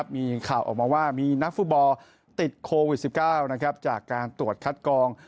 มีข่าวออกมาว่ามีนักฟุตบอลติดโควิด๑๙จากการตรวจคัดกอง